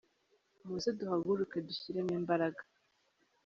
Muze duhaguruke dushyiremo imbaraga